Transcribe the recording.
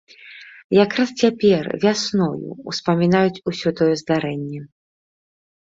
Якраз цяпер, вясною, успамінаюць усё тое здарэнне.